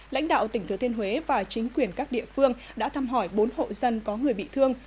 lãnh đạo tỉnh thừa thiên huế và chính quyền các địa phương đã thăm hỏi bốn hộ dân có người bị thương